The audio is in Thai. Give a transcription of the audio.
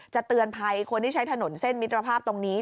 เตือนภัยคนที่ใช้ถนนเส้นมิตรภาพตรงนี้